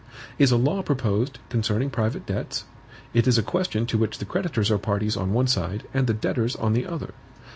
Is a law proposed concerning private debts? It is a question to which the creditors are parties on one side and the debtors on the other.